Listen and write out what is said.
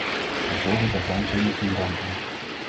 Een voorbeeld daarvan zijn natuurrampen.